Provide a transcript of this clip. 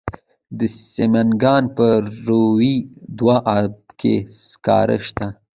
د سمنګان په روی دو اب کې سکاره شته.